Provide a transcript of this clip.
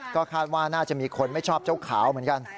ก็คาดว่าน่าจะมีคนไม่ชอบเจ้าขาวเหมือนกัน